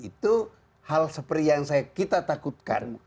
itu hal seperti yang kita takutkan